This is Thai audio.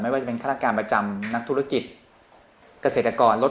ไม่ว่าจะเป็นฆาตกรรมประจำนักธุรกิจกระเศรษฐกร